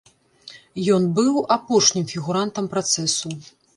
Ён быў апошнім фігурантам працэсу.